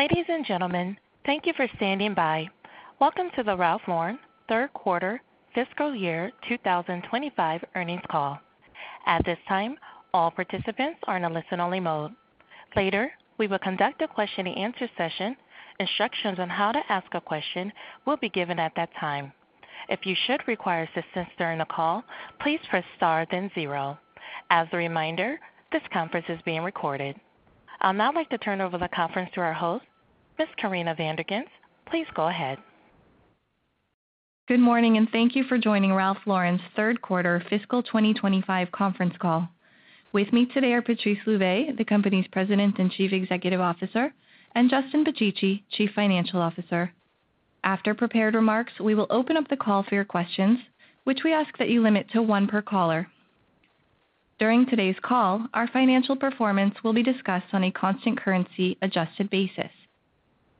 Ladies and gentlemen, thank you for standing by. Welcome to the Ralph Lauren third quarter fiscal year 2025 earnings call. At this time, all participants are in a listen-only mode. Later, we will conduct a question-and-answer session. Instructions on how to ask a question will be given at that time. If you should require assistance during the call, please press star then zero. As a reminder, this conference is being recorded. I'll now like to turn over the conference to our host, Miss Corinna Van der Ghinst. Please go ahead. Good morning, and thank you for joining Ralph Lauren's third quarter fiscal 2025 conference call. With me today are Patrice Louvet, the company's President and Chief Executive Officer, and Justin Picicci, Chief Financial Officer. After prepared remarks, we will open up the call for your questions, which we ask that you limit to one per caller. During today's call, our financial performance will be discussed on a constant currency adjusted basis.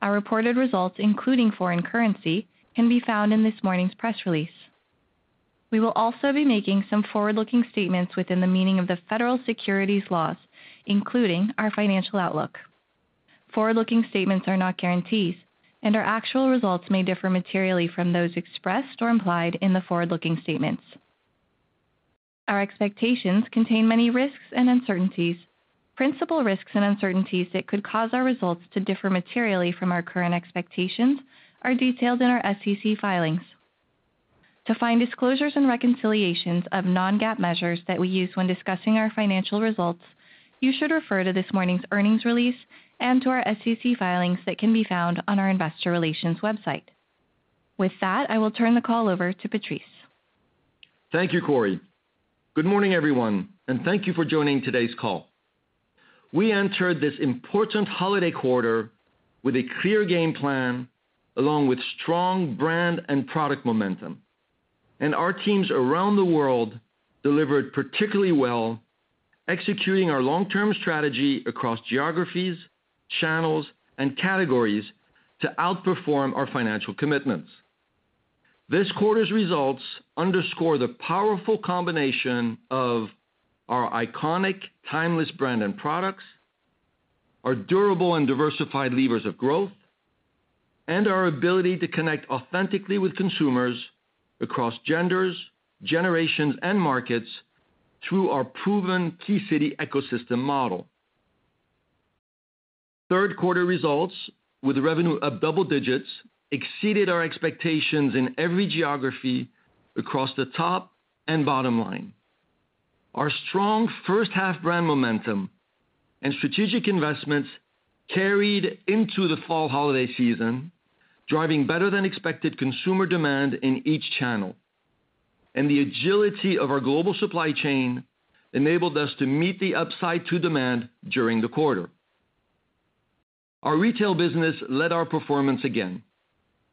Our reported results, including foreign currency, can be found in this morning's press release. We will also be making some forward-looking statements within the meaning of the federal securities laws, including our financial outlook. Forward-looking statements are not guarantees, and our actual results may differ materially from those expressed or implied in the forward-looking statements. Our expectations contain many risks and uncertainties. Principal risks and uncertainties that could cause our results to differ materially from our current expectations are detailed in our SEC filings. To find disclosures and reconciliations of non-GAAP measures that we use when discussing our financial results, you should refer to this morning's earnings release and to our SEC filings that can be found on our investor relations website. With that, I will turn the call over to Patrice. Thank you, Cori. Good morning, everyone, and thank you for joining today's call. We entered this important holiday quarter with a clear game plan along with strong brand and product momentum, and our teams around the world delivered particularly well, executing our long-term strategy across geographies, channels, and categories to outperform our financial commitments. This quarter's results underscore the powerful combination of our iconic, timeless brand and products, our durable and diversified levers of growth, and our ability to connect authentically with consumers across genders, generations, and markets through our proven key city ecosystem model. Third quarter results, with revenue of double digits, exceeded our expectations in every geography across the top and bottom line. Our strong first-half brand momentum and strategic investments carried into the fall holiday season, driving better-than-expected consumer demand in each channel, and the agility of our global supply chain enabled us to meet the upside to demand during the quarter. Our retail business led our performance again,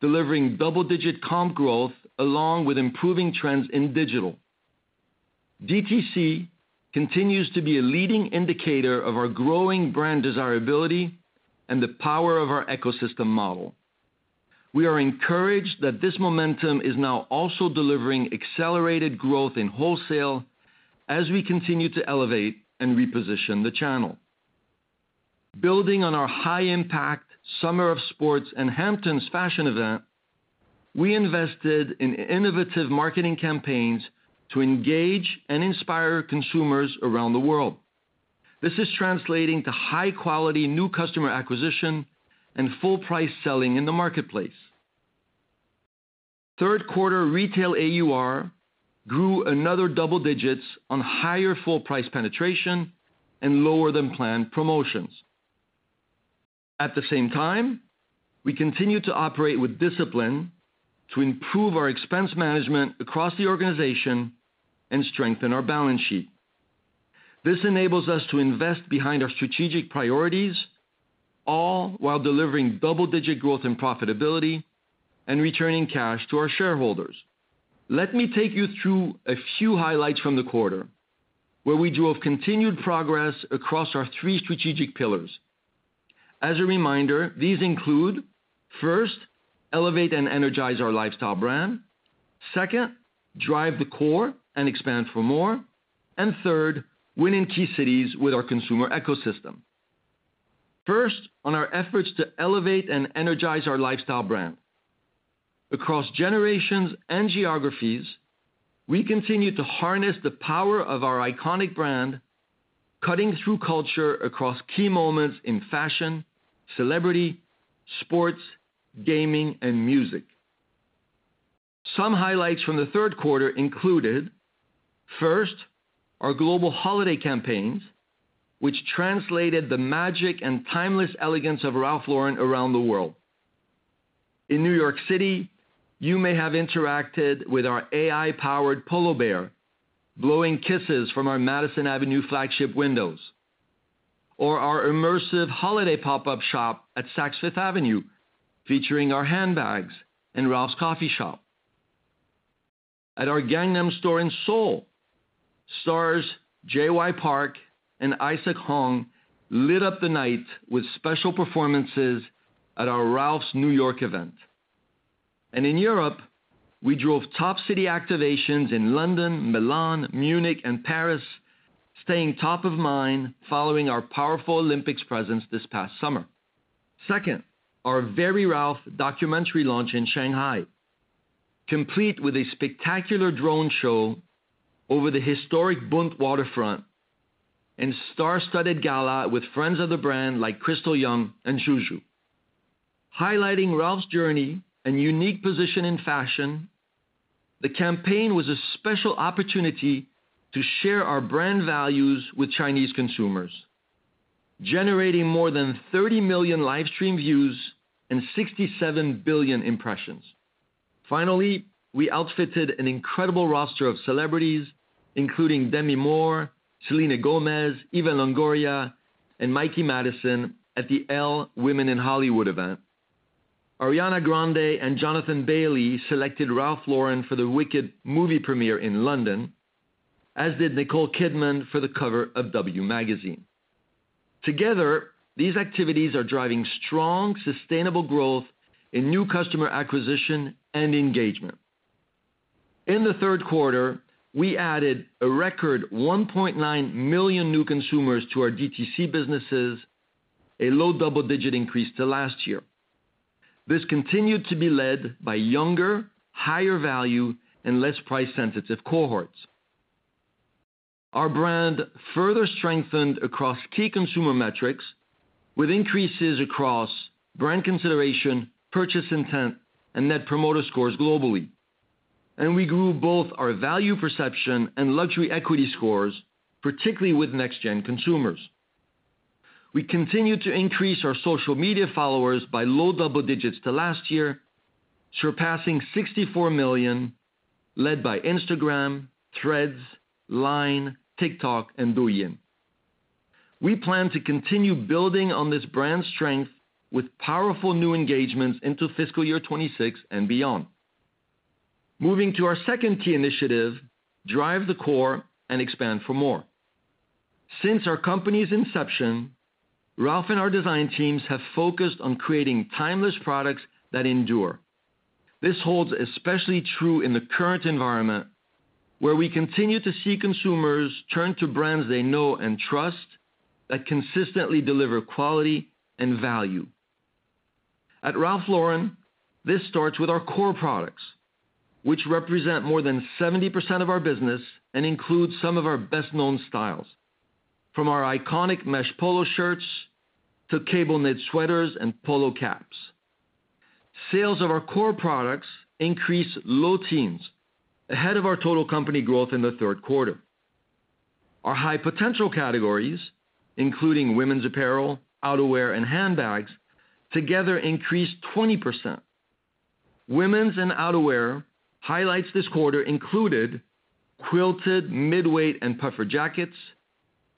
delivering double-digit comp growth along with improving trends in digital. DTC continues to be a leading indicator of our growing brand desirability and the power of our ecosystem model. We are encouraged that this momentum is now also delivering accelerated growth in wholesale as we continue to elevate and reposition the channel. Building on our high-impact summer of sports and Hamptons fashion event, we invested in innovative marketing campaigns to engage and inspire consumers around the world. This is translating to high-quality new customer acquisition and full-price selling in the marketplace. Third quarter retail AUR grew another double digits on higher full-price penetration and lower-than-planned promotions. At the same time, we continue to operate with discipline to improve our expense management across the organization and strengthen our balance sheet. This enables us to invest behind our strategic priorities, all while delivering double-digit growth and profitability and returning cash to our shareholders. Let me take you through a few highlights from the quarter, where we drove continued progress across our three strategic pillars. As a reminder, these include, first, elevate and energize our lifestyle brand. Second, drive the core and expand for more. And third, win in key cities with our consumer ecosystem. First, on our efforts to elevate and energize our lifestyle brand. Across generations and geographies, we continue to harness the power of our iconic brand, cutting through culture across key moments in fashion, celebrity, sports, gaming, and music. Some highlights from the third quarter included, first, our global holiday campaigns, which translated the magic and timeless elegance of Ralph Lauren around the world. In New York City, you may have interacted with our AI-powered Polo Bear blowing kisses from our Madison Avenue flagship windows, or our immersive holiday pop-up shop at Saks Fifth Avenue, featuring our handbags and Ralph's Coffee shop. At our Gangnam Store in Seoul, stars Jay Park and Isaac Hong lit up the night with special performances at our Ralph's New York event. And in Europe, we drove top city activations in London, Milan, Munich, and Paris, staying top of mind following our powerful Olympics presence this past summer. Second, our Very Ralph documentary launch in Shanghai, complete with a spectacular drone show over the historic Bund waterfront and star-studded gala with friends of the brand like Krystal Jung and Zhu Zhu. Highlighting Ralph's journey and unique position in fashion, the campaign was a special opportunity to share our brand values with Chinese consumers, generating more than 30 million livestream views and 67 billion impressions. Finally, we outfitted an incredible roster of celebrities, including Demi Moore, Selena Gomez, Eva Longoria, and Mikey Madison at the Elle Women in Hollywood event. Ariana Grande and Jonathan Bailey selected Ralph Lauren for the Wicked movie premiere in London, as did Nicole Kidman for the cover of W Magazine. Together, these activities are driving strong, sustainable growth in new customer acquisition and engagement. In the third quarter, we added a record 1.9 million new consumers to our DTC businesses, a low double-digit increase to last year. This continued to be led by younger, higher value, and less price-sensitive cohorts. Our brand further strengthened across key consumer metrics with increases across brand consideration, purchase intent, and net promoter scores globally. We grew both our value perception and luxury equity scores, particularly with next-gen consumers. We continue to increase our social media followers by low double digits to last year, surpassing 64 million, led by Instagram, Threads, Line, TikTok, and Douyin. We plan to continue building on this brand strength with powerful new engagements into fiscal year 2026 and beyond. Moving to our second key initiative, drive the core and expand for more. Since our company's inception, Ralph and our design teams have focused on creating timeless products that endure. This holds especially true in the current environment, where we continue to see consumers turn to brands they know and trust that consistently deliver quality and value. At Ralph Lauren, this starts with our core products, which represent more than 70% of our business and include some of our best-known styles, from our iconic mesh polo shirts to cable-knit sweaters and polo caps. Sales of our core products increased low teens ahead of our total company growth in the third quarter. Our high-potential categories, including women's apparel, outerwear, and handbags, together increased 20%. Women's and outerwear highlights this quarter included quilted midweight and puffer jackets,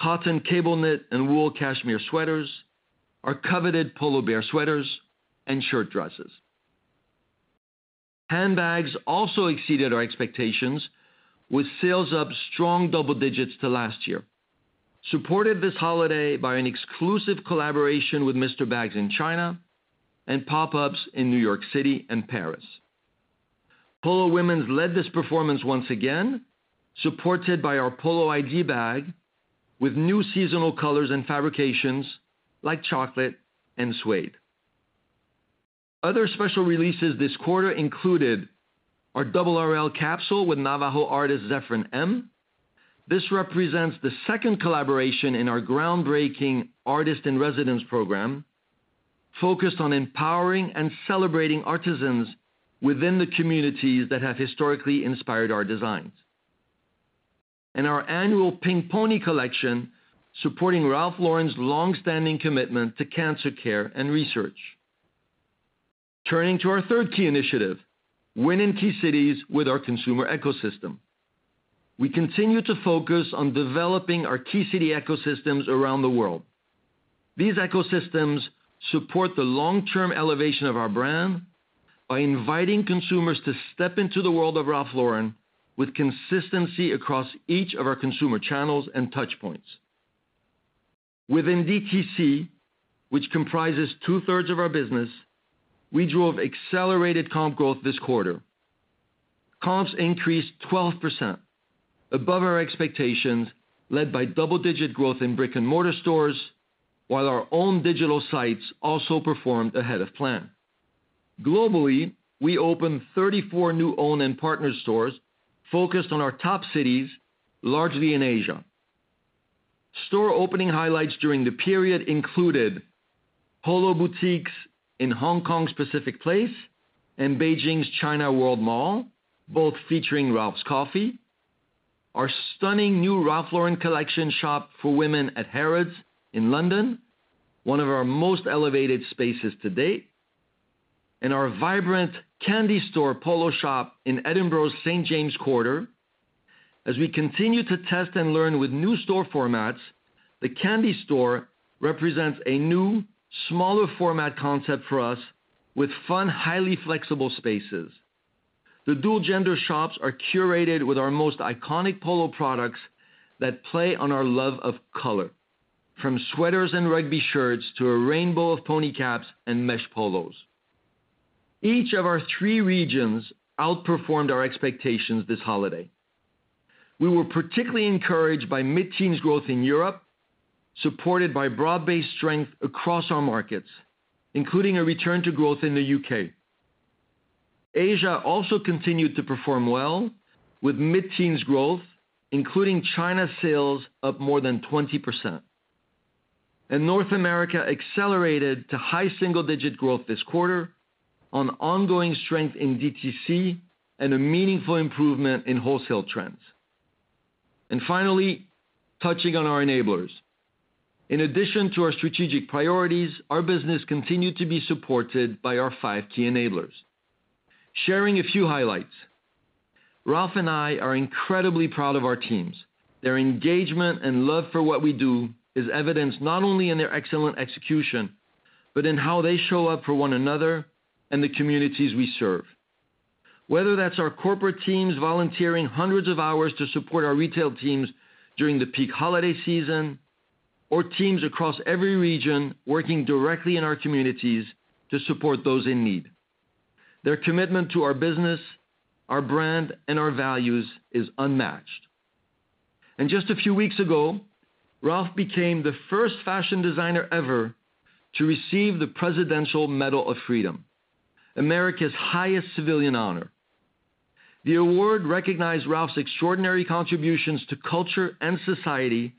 cotton cable-knit and wool cashmere sweaters, our coveted Polo Bear sweaters, and shirt dresses. Handbags also exceeded our expectations with sales up strong double digits to last year, supported this holiday by an exclusive collaboration with Mr. Bags in China and pop-ups in New York City and Paris. Polo women's led this performance once again, supported by our Polo ID bag with new seasonal colors and fabrications like chocolate and suede. Other special releases this quarter included our Double RL capsule with Navajo artist Zefren-M. This represents the second collaboration in our groundbreaking artist-in-residence program focused on empowering and celebrating artisans within the communities that have historically inspired our designs, and our annual ping-pong collection supporting Ralph Lauren's long-standing commitment to cancer care and research. Turning to our third key initiative, win in key cities with our consumer ecosystem. We continue to focus on developing our key city ecosystems around the world. These ecosystems support the long-term elevation of our brand by inviting consumers to step into the world of Ralph Lauren with consistency across each of our consumer channels and touchpoints. Within DTC, which comprises two-thirds of our business, we drove accelerated comp growth this quarter. Comps increased 12% above our expectations, led by double-digit growth in brick-and-mortar stores, while our own digital sites also performed ahead of plan. Globally, we opened 34 new own-and-partner stores focused on our top cities, largely in Asia. Store opening highlights during the period included Polo Boutiques in Hong Kong's Pacific Place and Beijing's China World Mall, both featuring Ralph's Coffee, our stunning new Ralph Lauren collection shop for women at Harrods in London, one of our most elevated spaces to date, and our vibrant candy store Polo shop in Edinburgh's St. James Quarter. As we continue to test and learn with new store formats, the candy store represents a new, smaller-format concept for us with fun, highly flexible spaces. The dual-gender shops are curated with our most iconic polo products that play on our love of color, from sweaters and rugby shirts to a rainbow of pony caps and mesh polos. Each of our three regions outperformed our expectations this holiday. We were particularly encouraged by mid-teens growth in Europe, supported by broad-based strength across our markets, including a return to growth in the UK. Asia also continued to perform well with mid-teens growth, including China sales up more than 20%, and North America accelerated to high single-digit growth this quarter on ongoing strength in DTC and a meaningful improvement in wholesale trends, and finally, touching on our enablers. In addition to our strategic priorities, our business continued to be supported by our five key enablers. Sharing a few highlights, Ralph and I are incredibly proud of our teams. Their engagement and love for what we do is evidenced not only in their excellent execution, but in how they show up for one another and the communities we serve. Whether that's our corporate teams volunteering hundreds of hours to support our retail teams during the peak holiday season, or teams across every region working directly in our communities to support those in need, their commitment to our business, our brand, and our values is unmatched. And just a few weeks ago, Ralph became the first fashion designer ever to receive the Presidential Medal of Freedom, America's highest civilian honor. The award recognized Ralph's extraordinary contributions to culture and society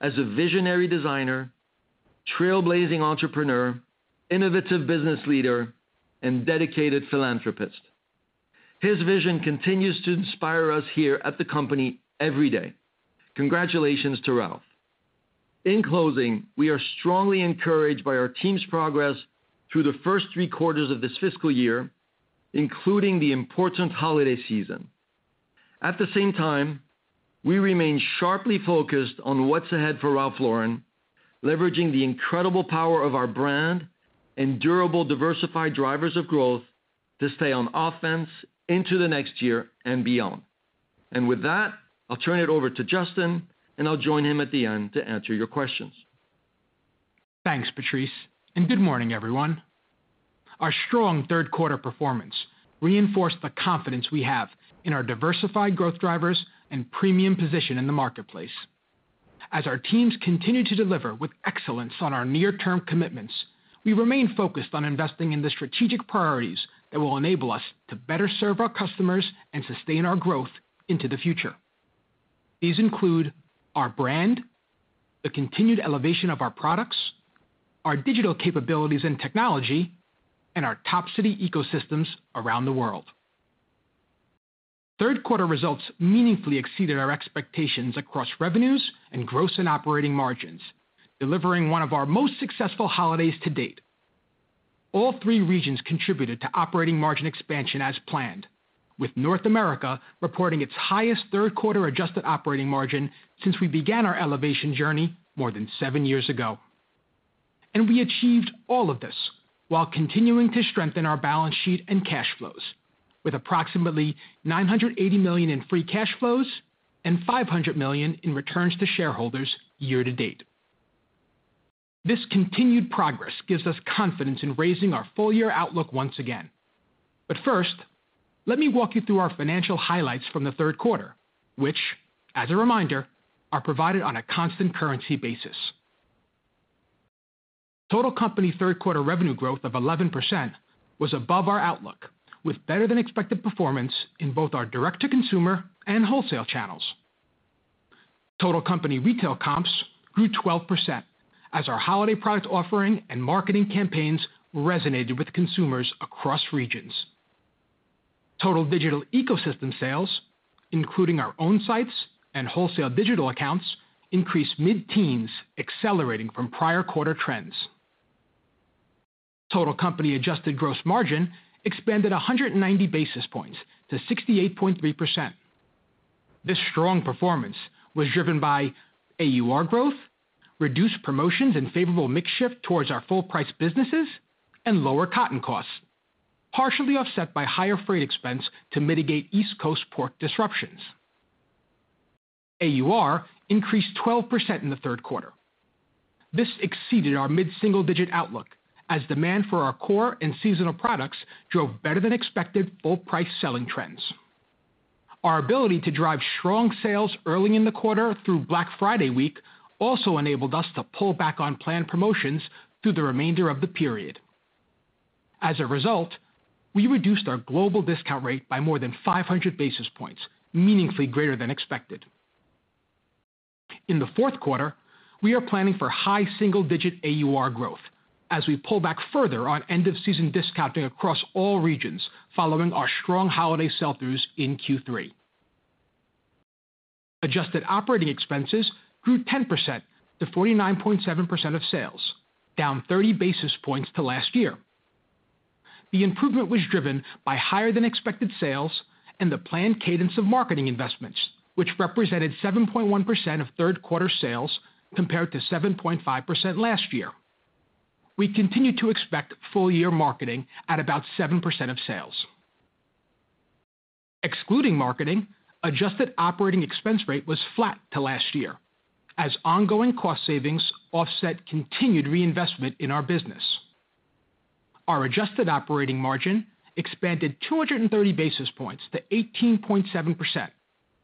as a visionary designer, trailblazing entrepreneur, innovative business leader, and dedicated philanthropist. His vision continues to inspire us here at the company every day. Congratulations to Ralph. In closing, we are strongly encouraged by our team's progress through the first three quarters of this fiscal year, including the important holiday season. At the same time, we remain sharply focused on what's ahead for Ralph Lauren, leveraging the incredible power of our brand and durable, diversified drivers of growth to stay on offense into the next year and beyond, and with that, I'll turn it over to Justin, and I'll join him at the end to answer your questions. Thanks, Patrice, and good morning, everyone. Our strong third-quarter performance reinforced the confidence we have in our diversified growth drivers and premium position in the marketplace. As our teams continue to deliver with excellence on our near-term commitments, we remain focused on investing in the strategic priorities that will enable us to better serve our customers and sustain our growth into the future. These include our brand, the continued elevation of our products, our digital capabilities and technology, and our top city ecosystems around the world. Third-quarter results meaningfully exceeded our expectations across revenues and gross and operating margins, delivering one of our most successful holidays to date. All three regions contributed to operating margin expansion as planned, with North America reporting its highest third-quarter adjusted operating margin since we began our elevation journey more than seven years ago. And we achieved all of this while continuing to strengthen our balance sheet and cash flows, with approximately $980 million in free cash flows and $500 million in returns to shareholders year to date. This continued progress gives us confidence in raising our full-year outlook once again. But first, let me walk you through our financial highlights from the third quarter, which, as a reminder, are provided on a constant currency basis. Total company third-quarter revenue growth of 11% was above our outlook, with better-than-expected performance in both our direct-to-consumer and wholesale channels. Total company retail comps grew 12% as our holiday product offering and marketing campaigns resonated with consumers across regions. Total digital ecosystem sales, including our own sites and wholesale digital accounts, increased mid-teens, accelerating from prior quarter trends. Total company adjusted gross margin expanded 190 basis points to 68.3%. This strong performance was driven by AUR growth, reduced promotions and favorable mix shift towards our full-price businesses, and lower cotton costs, partially offset by higher freight expense to mitigate East Coast port disruptions. AUR increased 12% in the third quarter. This exceeded our mid-single-digit outlook as demand for our core and seasonal products drove better-than-expected full-price selling trends. Our ability to drive strong sales early in the quarter through Black Friday week also enabled us to pull back on planned promotions through the remainder of the period. As a result, we reduced our global discount rate by more than 500 basis points, meaningfully greater than expected. In the fourth quarter, we are planning for high single-digit AUR growth as we pull back further on end-of-season discounting across all regions following our strong holiday sell-throughs in Q3. Adjusted operating expenses grew 10% to 49.7% of sales, down 30 basis points to last year. The improvement was driven by higher-than-expected sales and the planned cadence of marketing investments, which represented 7.1% of third-quarter sales compared to 7.5% last year. We continue to expect full-year marketing at about 7% of sales. Excluding marketing, adjusted operating expense rate was flat to last year as ongoing cost savings offset continued reinvestment in our business. Our adjusted operating margin expanded 230 basis points to 18.7%,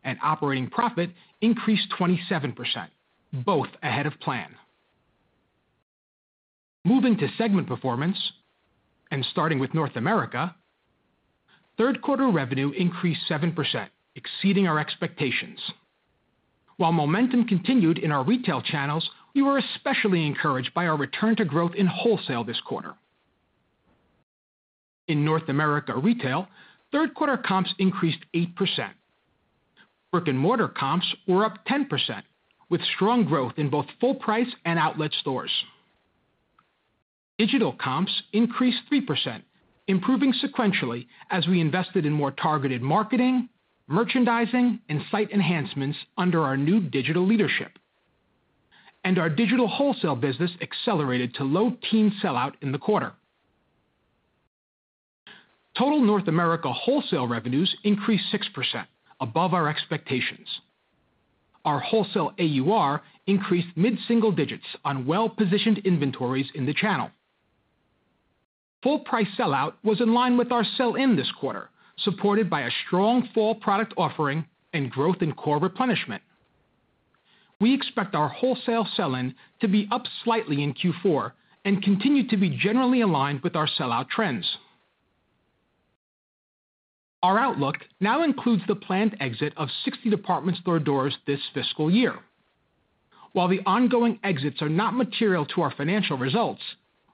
and operating profit increased 27%, both ahead of plan. Moving to segment performance and starting with North America, third-quarter revenue increased 7%, exceeding our expectations. While momentum continued in our retail channels, we were especially encouraged by our return to growth in wholesale this quarter. In North America retail, third-quarter comps increased 8%. Brick-and-mortar comps were up 10%, with strong growth in both full-price and outlet stores. Digital comps increased 3%, improving sequentially as we invested in more targeted marketing, merchandising, and site enhancements under our new digital leadership, and our digital wholesale business accelerated to low-teens sell-out in the quarter. Total North America wholesale revenues increased 6%, above our expectations. Our wholesale AUR increased mid-single digits on well-positioned inventories in the channel. Full-price sell-out was in line with our sell-in this quarter, supported by a strong fall product offering and growth in core replenishment. We expect our wholesale sell-in to be up slightly in Q4 and continue to be generally aligned with our sellout trends. Our outlook now includes the planned exit of 60 department store doors this fiscal year. While the ongoing exits are not material to our financial results,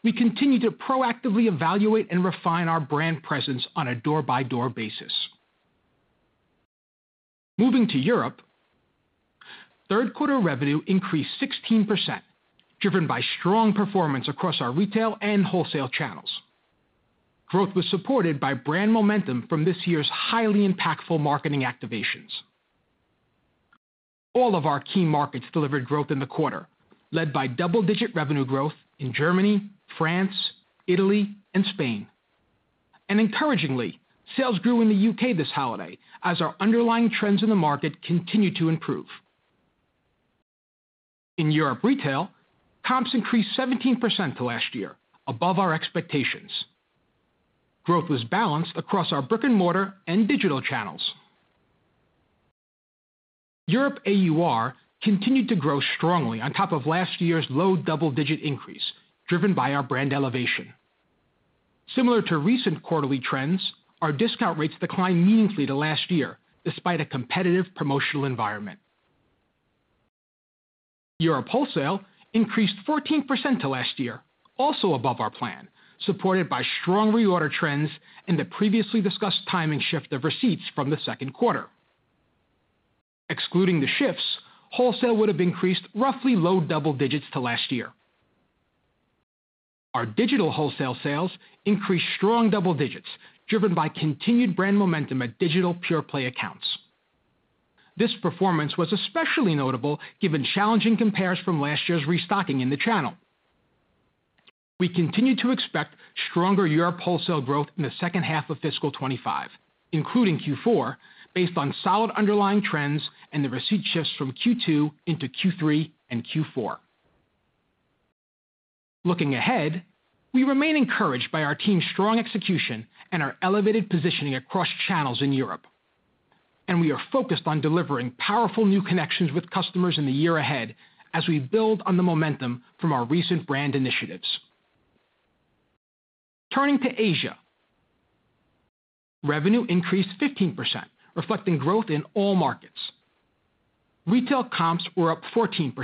we continue to proactively evaluate and refine our brand presence on a door-by-door basis. Moving to Europe, third-quarter revenue increased 16%, driven by strong performance across our retail and wholesale channels. Growth was supported by brand momentum from this year's highly impactful marketing activations. All of our key markets delivered growth in the quarter, led by double-digit revenue growth in Germany, France, Italy, and Spain, and encouragingly, sales grew in the U.K. this holiday as our underlying trends in the market continued to improve. In Europe retail, comps increased 17% to last year, above our expectations. Growth was balanced across our brick-and-mortar and digital channels. Europe AUR continued to grow strongly on top of last year's low double-digit increase, driven by our brand elevation. Similar to recent quarterly trends, our discount rates declined meaningfully to last year, despite a competitive promotional environment. Europe wholesale increased 14% to last year, also above our plan, supported by strong reorder trends and the previously discussed timing shift of receipts from the second quarter. Excluding the shifts, wholesale would have increased roughly low double digits to last year. Our digital wholesale sales increased strong double digits, driven by continued brand momentum at digital pure-play accounts. This performance was especially notable given challenging compares from last year's restocking in the channel. We continue to expect stronger Europe wholesale growth in the second half of fiscal 2025, including Q4, based on solid underlying trends and the receipt shifts from Q2 into Q3 and Q4. Looking ahead, we remain encouraged by our team's strong execution and our elevated positioning across channels in Europe. And we are focused on delivering powerful new connections with customers in the year ahead as we build on the momentum from our recent brand initiatives. Turning to Asia, revenue increased 15%, reflecting growth in all markets. Retail comps were up 14%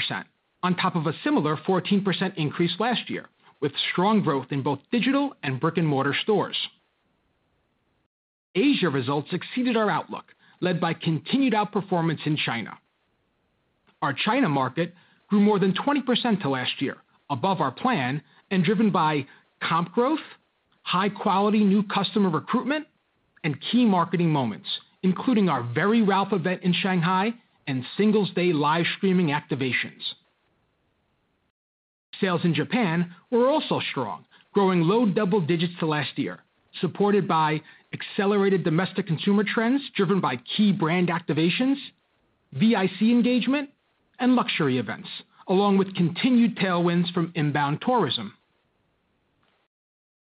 on top of a similar 14% increase last year, with strong growth in both digital and brick-and-mortar stores. Asia results exceeded our outlook, led by continued outperformance in China. Our China market grew more than 20% to last year, above our plan, and driven by comp growth, high-quality new customer recruitment, and key marketing moments, including our Very Ralph event in Shanghai and Singles' Day live streaming activations. Sales in Japan were also strong, growing low double digits to last year, supported by accelerated domestic consumer trends driven by key brand activations, VIC engagement, and luxury events, along with continued tailwinds from inbound tourism.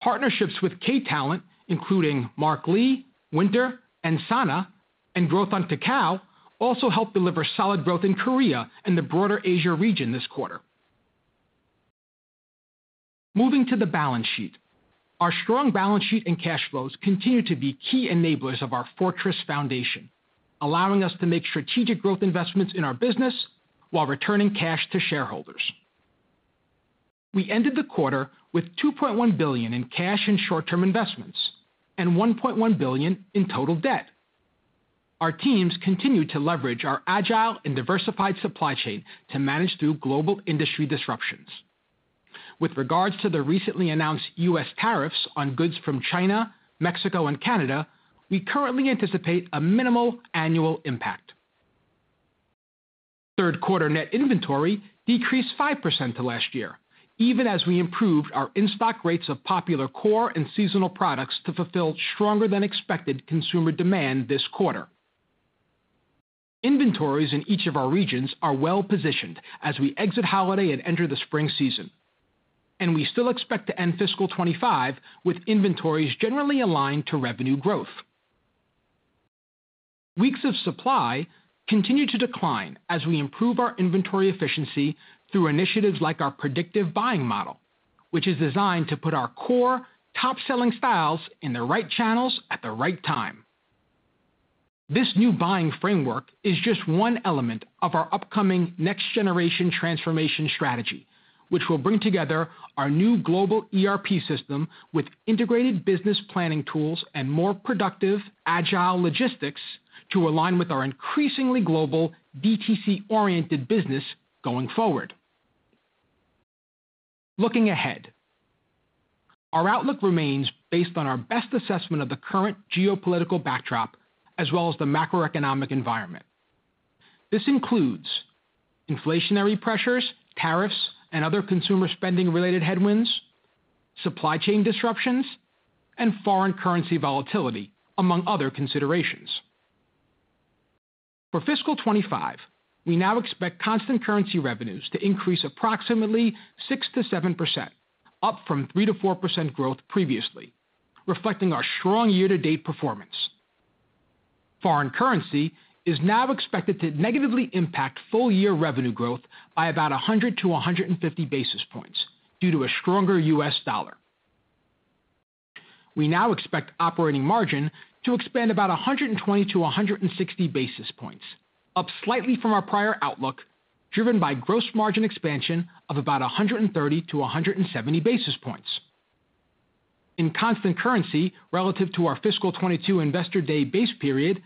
Partnerships with K-Talent, including Mark Lee, Winter, and Sana, and growth on Kakao also helped deliver solid growth in Korea and the broader Asia region this quarter. Moving to the balance sheet, our strong balance sheet and cash flows continue to be key enablers of our fortress foundation, allowing us to make strategic growth investments in our business while returning cash to shareholders. We ended the quarter with $2.1 billion in cash and short-term investments and $1.1 billion in total debt. Our teams continue to leverage our agile and diversified supply chain to manage through global industry disruptions. With regards to the recently announced U.S. tariffs on goods from China, Mexico, and Canada, we currently anticipate a minimal annual impact. Third-quarter net inventory decreased 5% to last year, even as we improved our in-stock rates of popular core and seasonal products to fulfill stronger-than-expected consumer demand this quarter. Inventories in each of our regions are well-positioned as we exit holiday and enter the spring season. And we still expect to end fiscal 25 with inventories generally aligned to revenue growth. Weeks of supply continue to decline as we improve our inventory efficiency through initiatives like our predictive buying model, which is designed to put our core top-selling styles in the right channels at the right time. This new buying framework is just one element of our upcoming next-generation transformation strategy, which will bring together our new global ERP system with integrated business planning tools and more productive, agile logistics to align with our increasingly global DTC-oriented business going forward. Looking ahead, our outlook remains based on our best assessment of the current geopolitical backdrop as well as the macroeconomic environment. This includes inflationary pressures, tariffs, and other consumer spending-related headwinds, supply chain disruptions, and foreign currency volatility, among other considerations. For fiscal 2025, we now expect constant currency revenues to increase approximately 6%-7%, up from 3%-4% growth previously, reflecting our strong year-to-date performance. Foreign currency is now expected to negatively impact full-year revenue growth by about 100-150 basis points due to a stronger U.S. dollar. We now expect operating margin to expand about 120-160 basis points, up slightly from our prior outlook, driven by gross margin expansion of about 130-170 basis points. In constant currency relative to our fiscal 2022 Investor Day base period,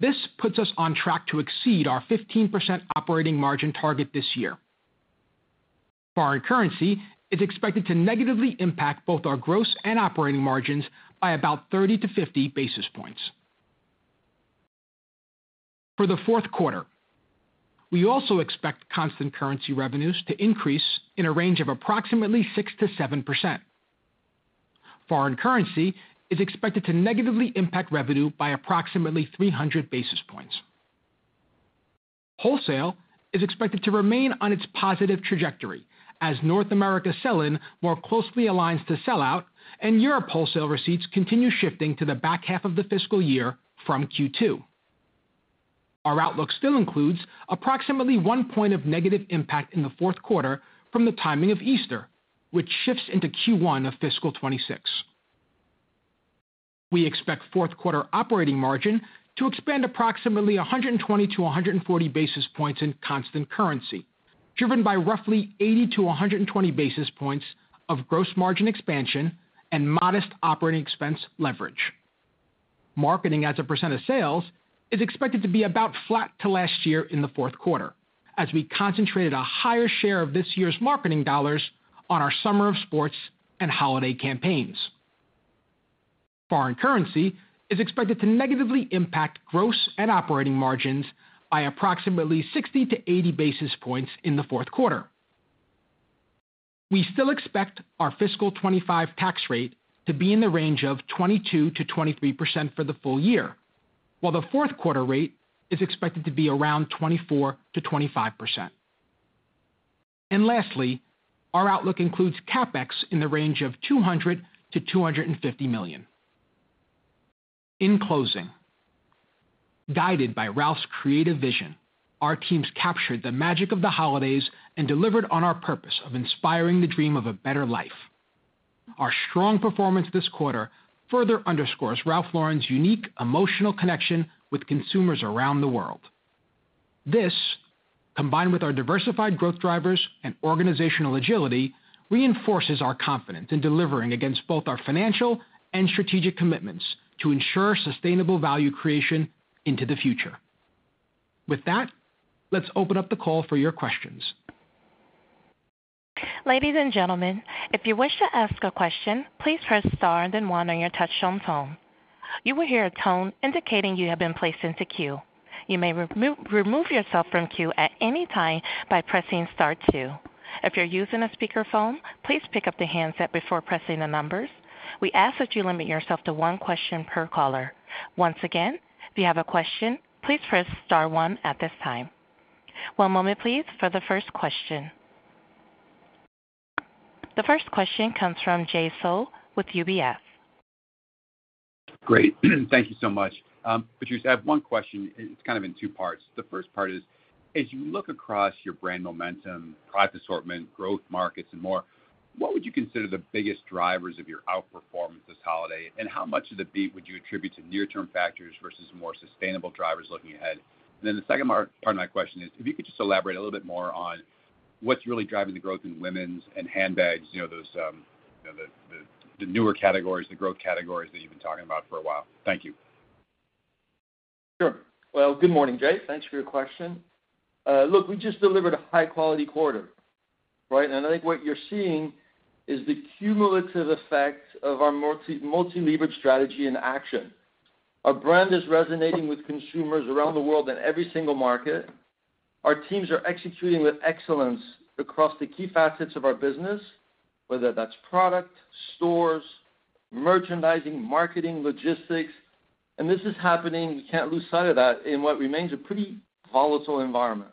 this puts us on track to exceed our 15% operating margin target this year. Foreign currency is expected to negatively impact both our gross and operating margins by about 30-50 basis points. For the fourth quarter, we also expect constant currency revenues to increase in a range of approximately 6%-7%. Foreign currency is expected to negatively impact revenue by approximately 300 basis points. Wholesale is expected to remain on its positive trajectory as North America sell-in more closely aligns to sellout, and Europe wholesale receipts continue shifting to the back half of the fiscal year from Q2. Our outlook still includes approximately one point of negative impact in the fourth quarter from the timing of Easter, which shifts into Q1 of fiscal 26. We expect fourth quarter operating margin to expand approximately 120-140 basis points in constant currency, driven by roughly 80-120 basis points of gross margin expansion and modest operating expense leverage. Marketing as a % of sales is expected to be about flat to last year in the fourth quarter, as we concentrated a higher share of this year's marketing dollars on our summer of sports and holiday campaigns. Foreign currency is expected to negatively impact gross and operating margins by approximately 60-80 basis points in the fourth quarter. We still expect our fiscal 2025 tax rate to be in the range of 22%-23% for the full year, while the fourth quarter rate is expected to be around 24%-25%. And lastly, our outlook includes CapEx in the range of $200 million-$250 million. In closing, guided by Ralph's creative vision, our teams captured the magic of the holidays and delivered on our purpose of inspiring the dream of a better life. Our strong performance this quarter further underscores Ralph Lauren's unique emotional connection with consumers around the world. This, combined with our diversified growth drivers and organizational agility, reinforces our confidence in delivering against both our financial and strategic commitments to ensure sustainable value creation into the future. With that, let's open up the call for your questions. Ladies and gentlemen, if you wish to ask a question, please press Star and then one on your touch-tone phone. You will hear a tone indicating you have been placed into queue. You may remove yourself from queue at any time by pressing Star two. If you're using a speakerphone, please pick up the handset before pressing the numbers. We ask that you limit yourself to one question per caller. Once again, if you have a question, please press Star two at this time. One moment, please, for the first question. The first question comes from Jay Sole with UBS. Great. Thank you so much. Patrice, I have one question. It's kind of in two parts. The first part is, as you look across your brand momentum, product assortment, growth markets, and more, what would you consider the biggest drivers of your outperformance this holiday? And how much of the beat would you attribute to near-term factors versus more sustainable drivers looking ahead? And then the second part of my question is, if you could just elaborate a little bit more on what's really driving the growth in women's and handbags, those newer categories, the growth categories that you've been talking about for a while. Thank you. Sure. Well, good morning, Jay. Thanks for your question. Look, we just delivered a high-quality quarter. And I think what you're seeing is the cumulative effect of our multi-leverage strategy in action. Our brand is resonating with consumers around the world in every single market. Our teams are executing with excellence across the key facets of our business, whether that's product, stores, merchandising, marketing, logistics. And this is happening. We can't lose sight of that in what remains a pretty volatile environment.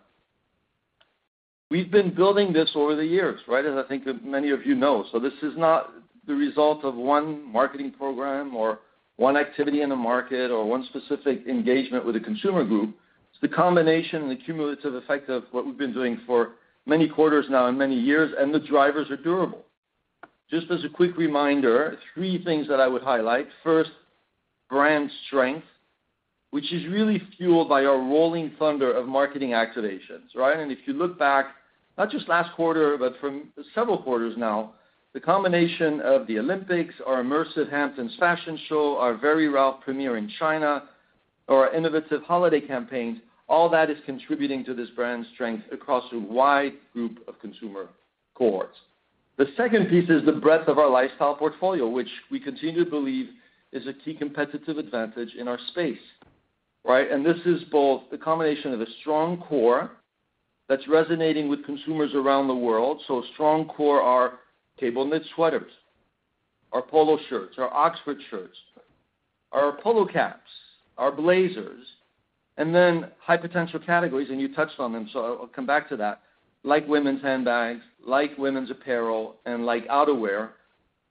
We've been building this over the years, as I think many of you know. So this is not the result of one marketing program or one activity in a market or one specific engagement with a consumer group. It's the combination and the cumulative effect of what we've been doing for many quarters now and many years, and the drivers are durable. Just as a quick reminder, three things that I would highlight. First, brand strength, which is really fueled by our rolling thunder of marketing activations. And if you look back, not just last quarter, but from several quarters now, the combination of the Olympics, our immersive Hamptons fashion show, our Very Ralph premiere in China, or our innovative holiday campaigns, all that is contributing to this brand strength across a wide group of consumer cohorts. The second piece is the breadth of our lifestyle portfolio, which we continue to believe is a key competitive advantage in our space. And this is both the combination of a strong core that's resonating with consumers around the world. So strong core are cable knit sweaters, our polo shirts, our oxford shirts, our polo caps, our blazers, and then high-potential categories. And you touched on them, so I'll come back to that. Like women's handbags, like women's apparel, and like outerwear,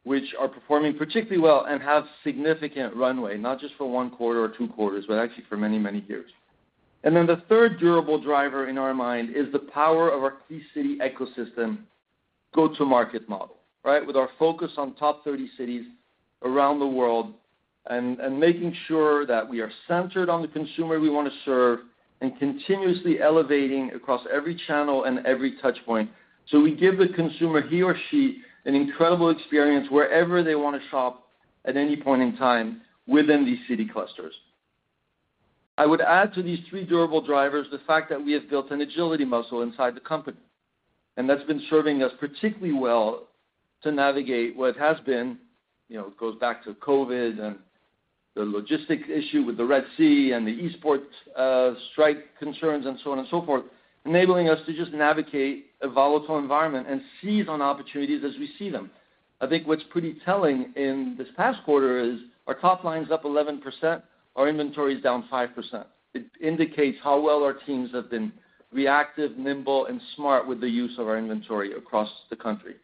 which are performing particularly well and have significant runway, not just for one quarter or two quarters, but actually for many, many years. And then the third durable driver in our mind is the power of our key city ecosystem go-to-market model, with our focus on top 30 cities around the world and making sure that we are centered on the consumer we want to serve and continuously elevating across every channel and every touchpoint. So we give the consumer, he or she, an incredible experience wherever they want to shop at any point in time within these city clusters. I would add to these three durable drivers the fact that we have built an agility muscle inside the company. That's been serving us particularly well to navigate what has been (it goes back to COVID and the logistics issue with the Red Sea and the East ports strike concerns and so on and so forth) enabling us to just navigate a volatile environment and seize on opportunities as we see them. I think what's pretty telling in this past quarter is our top line's up 11%, our inventory's down 5%. It indicates how well our teams have been reactive, nimble, and smart with the use of our inventory across the countries.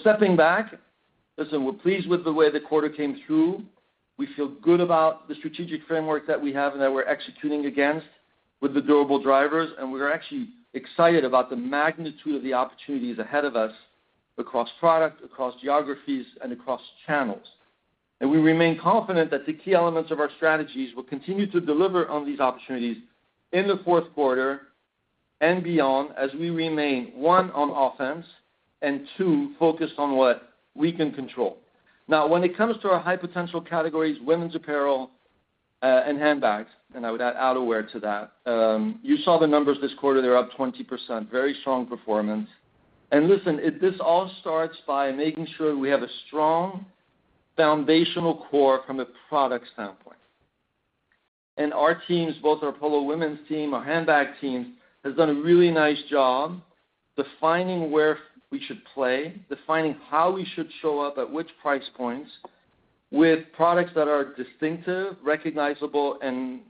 Stepping back, listen, we're pleased with the way the quarter came through. We feel good about the strategic framework that we have and that we're executing against with the durable drivers. We're actually excited about the magnitude of the opportunities ahead of us across product, across geographies, and across channels. And we remain confident that the key elements of our strategies will continue to deliver on these opportunities in the fourth quarter and beyond as we remain, one, on offense and, two, focused on what we can control. Now, when it comes to our high-potential categories, women's apparel and handbags, and I would add outerwear to that, you saw the numbers this quarter. They're up 20%. Very strong performance. And listen, this all starts by making sure we have a strong foundational core from a product standpoint. And our teams, both our Polo women's team, our handbag teams, have done a really nice job defining where we should play, defining how we should show up at which price points with products that are distinctive, recognizable, and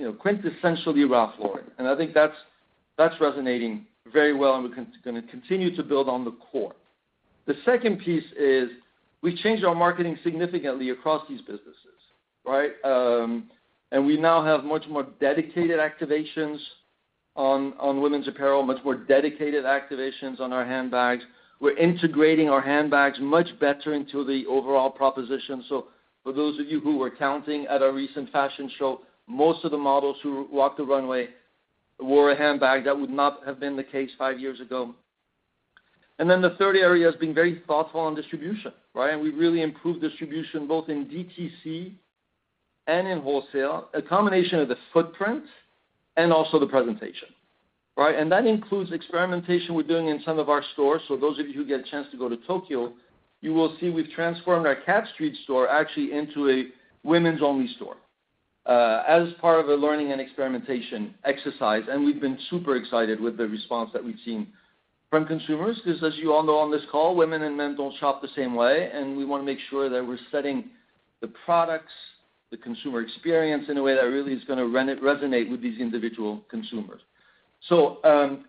quintessentially Ralph Lauren. And I think that's resonating very well, and we're going to continue to build on the core. The second piece is we've changed our marketing significantly across these businesses, and we now have much more dedicated activations on women's apparel, much more dedicated activations on our handbags. We're integrating our handbags much better into the overall proposition. So for those of you who were counting at our recent fashion show, most of the models who walked the runway wore a handbag. That would not have been the case five years ago, and then the third area has been very thoughtful on distribution, and we've really improved distribution both in DTC and in wholesale, a combination of the footprint and also the presentation, and that includes experimentation we're doing in some of our stores, so those of you who get a chance to go to Tokyo, you will see we've transformed our Cat Street store actually into a women's-only store as part of a learning and experimentation exercise. We've been super excited with the response that we've seen from consumers because, as you all know on this call, women and men don't shop the same way, and we want to make sure that we're setting the products, the consumer experience in a way that really is going to resonate with these individual consumers, so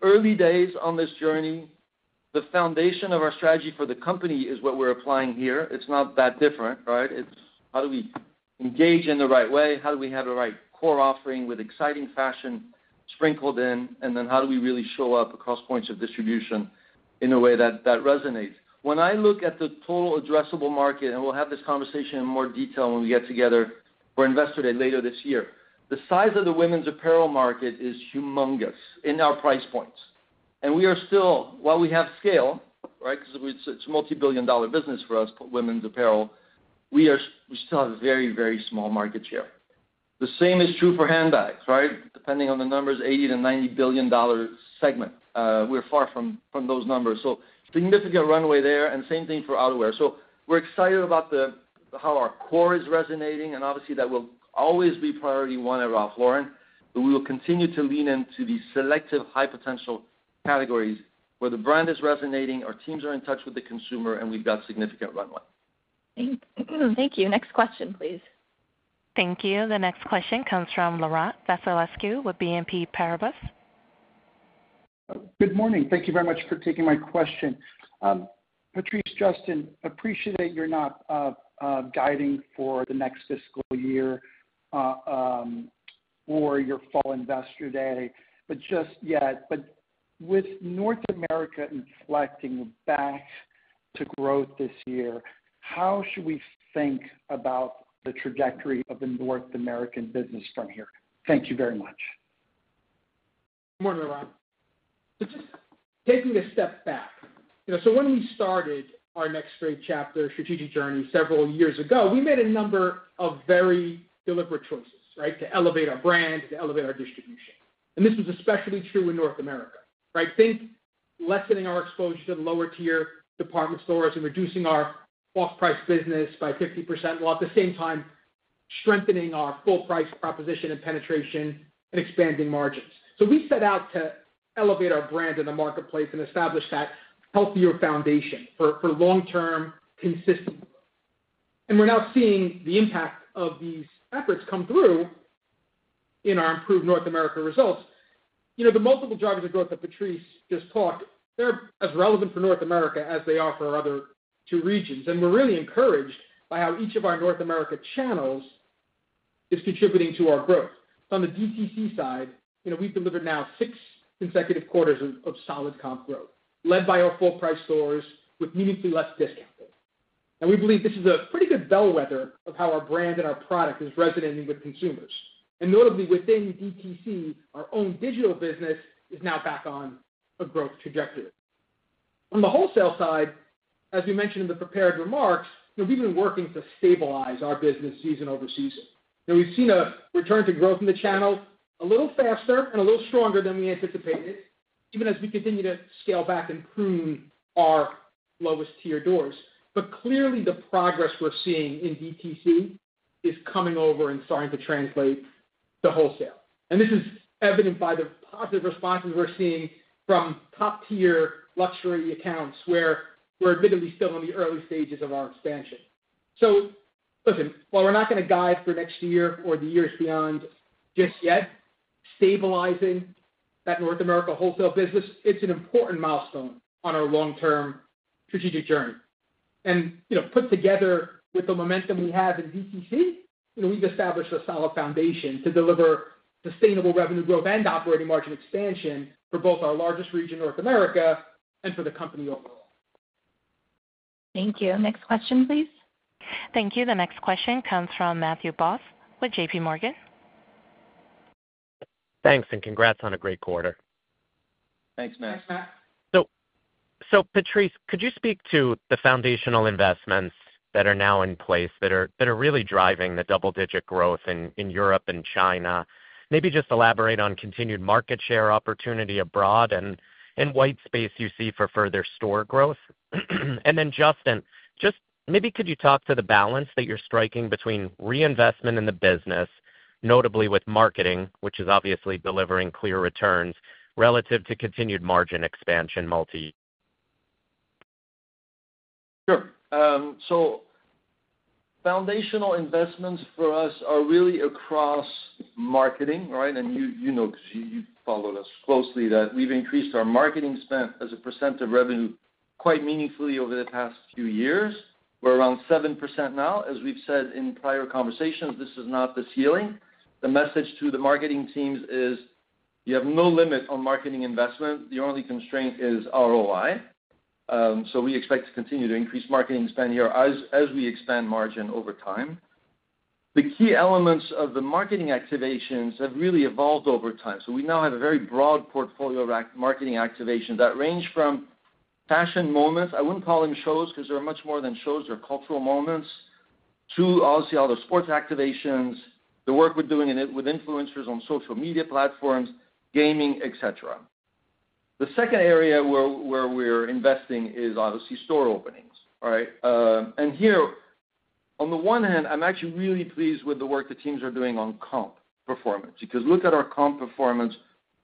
early days on this journey, the foundation of our strategy for the company is what we're applying here. It's not that different. It's how do we engage in the right way? How do we have the right core offering with exciting fashion sprinkled in? And then how do we really show up across points of distribution in a way that resonates? When I look at the total addressable market, and we'll have this conversation in more detail when we get together for investor day later this year, the size of the women's apparel market is humongous in our price points. And we are still, while we have scale, because it's a multi-billion dollar business for us, women's apparel, we still have a very, very small market share. The same is true for handbags, depending on the numbers, $80 billion-$90 billion segment. We're far from those numbers. So significant runway there, and same thing for outerwear. So we're excited about how our core is resonating. And obviously, that will always be priority one at Ralph Lauren. But we will continue to lean into these selective high-potential categories where the brand is resonating, our teams are in touch with the consumer, and we've got significant runway. Thank you. Next question, please. Thank you. The next question comes from Laurent Vasilescu with BNP Paribas. Good morning. Thank you very much for taking my question. Patrice, Justin, appreciate that you're not guiding for the next fiscal year or your fall investor day, but with North America inflecting back to growth this year, how should we think about the trajectory of the North American business from here? Thank you very much. Good morning, Laurent. So just taking a step back. So when we started our next great chapter, strategic journey, several years ago, we made a number of very deliberate choices to elevate our brand, to elevate our distribution. And this was especially true in North America. Think lessening our exposure to the lower-tier department stores and reducing our off-price business by 50% while at the same time strengthening our full-price proposition and penetration and expanding margins. We set out to elevate our brand in the marketplace and establish that healthier foundation for long-term consistency. We're now seeing the impact of these efforts come through in our improved North America results. The multiple drivers of growth that Patrice just talked, they're as relevant for North America as they are for our other two regions. We're really encouraged by how each of our North America channels is contributing to our growth. On the DTC side, we've delivered now six consecutive quarters of solid comp growth, led by our full-price stores with meaningfully less discounting. We believe this is a pretty good bellwether of how our brand and our product is resonating with consumers. Notably, within DTC, our own digital business is now back on a growth trajectory. On the wholesale side, as we mentioned in the prepared remarks, we've been working to stabilize our business season over season. We've seen a return to growth in the channel a little faster and a little stronger than we anticipated, even as we continue to scale back and prune our lowest-tier doors. But clearly, the progress we're seeing in DTC is coming over and starting to translate to wholesale. And this is evident by the positive responses we're seeing from top-tier luxury accounts where we're admittedly still in the early stages of our expansion. So listen, while we're not going to guide for next year or the years beyond just yet, stabilizing that North America wholesale business, it's an important milestone on our long-term strategic journey. And put together with the momentum we have in DTC, we've established a solid foundation to deliver sustainable revenue growth and operating margin expansion for both our largest region, North America, and for the company overall. Thank you. Next question, please. Thank you. The next question comes from Matthew Boss with JPMorgan. Thanks. And congrats on a great quarter. Thanks, Matt. Thanks, Matt. So Patrice, could you speak to the foundational investments that are now in place that are really driving the double-digit growth in Europe and China? Maybe just elaborate on continued market share opportunity abroad and white space you see for further store growth. And then Justin, just maybe could you talk to the balance that you're striking between reinvestment in the business, notably with marketing, which is obviously delivering clear returns, relative to continued margin expansion multi-year? Sure. So foundational investments for us are really across marketing. You know because you followed us closely that we've increased our marketing spend as a percent of revenue quite meaningfully over the past few years. We're around 7% now. As we've said in prior conversations, this is not the ceiling. The message to the marketing teams is you have no limit on marketing investment. The only constraint is ROI. We expect to continue to increase marketing spend here as we expand margin over time. The key elements of the marketing activations have really evolved over time. We now have a very broad portfolio of marketing activations that range from fashion moments. I wouldn't call them shows because they're much more than shows. They're cultural moments to, obviously, all the sports activations, the work we're doing with influencers on social media platforms, gaming, etc. The second area where we're investing is, obviously, store openings. And here, on the one hand, I'm actually really pleased with the work the teams are doing on comp performance because look at our comp performance